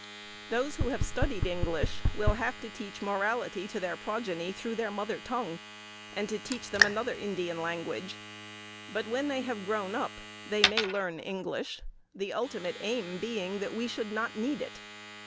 Those who have studied English will have to teach morality to their progeny through their mother tongue, and to teach them another Indian language; but when they have grown up, they may learn English, the ultimate aim being that we should not need it.